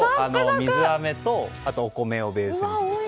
水あめと、あとお米をベースにしていて。